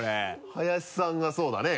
林さんがそうだね。